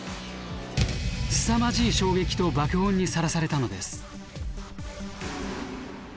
すさまじい衝撃と爆音にさらされたのです。